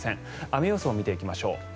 雨予想を見ていきましょう。